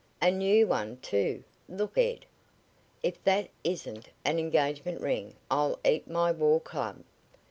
"A new one, too! Look, Ed! If that isn't an engagement ring I'll eat my war club!